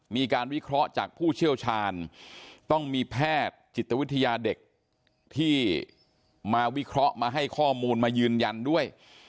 มีการวิเคราะห์จากผู้เชี่ยวชาญต้องมีแพทย์จิตวิทยาเด็กที่มาวิเคราะห์มาให้ข้อมูลมายืนยันด้วย